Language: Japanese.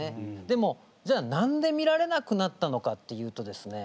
でもじゃあ何で見られなくなったのかっていうとですね